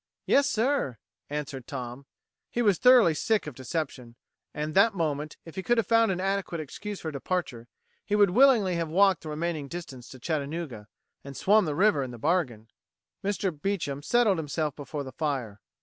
"Yes, sir," answered Tom. He was thoroughly sick of deception. At that moment, if he could have found an adequate excuse for departure, he would willingly have walked the remaining distance to Chattanooga and swum the river in the bargain. Mr. Beecham settled himself before the fire.